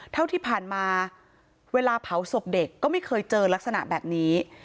เท่าที่ผ่านมาเวลาเผาศพเด็กก็ไม่เคยเจอลักษณะแบบนี้